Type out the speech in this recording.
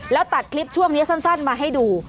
แล้วตัดคลิปช่วงนี้สั้นมาให้ดู